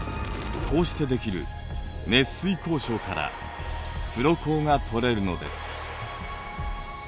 こうしてできる熱水鉱床から黒鉱が取れるのです。